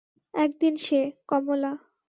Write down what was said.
একদিন সে- কমলা।